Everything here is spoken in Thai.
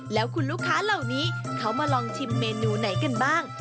แล้วคุณลูกค้าเหล่านี้เขามาลองชิมเมนูไหนกันบ้าง